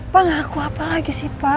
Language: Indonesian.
pak ngaku apa lagi sih pak